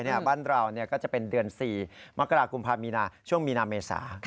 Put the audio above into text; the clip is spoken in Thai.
บ้านเราก็จะเป็นเดือน๔มกรากุมภามีนาช่วงมีนาเมษา